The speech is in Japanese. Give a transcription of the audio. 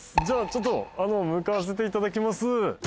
じゃあちょっと向かわせていただきます。